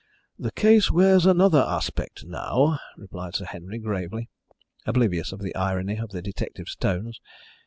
"The case wears another aspect now," replied Sir Henry gravely, oblivious of the irony in the detective's tones.